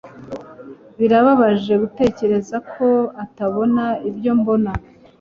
Birababaje gutekereza ko atabona ibyo mbona